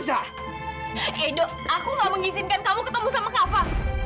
edo aku gak mengizinkan kamu ketemu sama kava